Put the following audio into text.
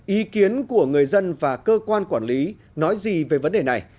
ý kiến của người dân và cơ quan quản lý nói gì về vấn đề này